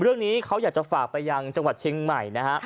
เรื่องนี้เขาอยากจะฝากไปยังจังหวัดเชียงใหม่นะฮะ